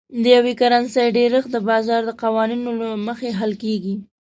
د یوې کرنسۍ ډېرښت د بازار د قوانینو له مخې حل کیږي.